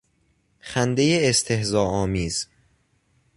خندهی استهزا آمیز